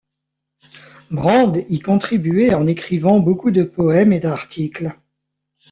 Brand y contribuait en écrivant beaucoup de poèmes et d'articles.